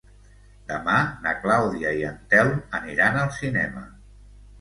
Demà na Clàudia i en Telm aniran al cinema.